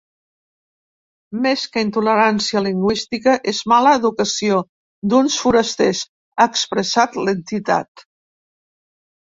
“Més que intolerància lingüística és mala educació d’uns forasters”, ha expressat l’entitat.